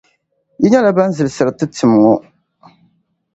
Yi nyɛla ban zilisiri ti tim ŋɔ?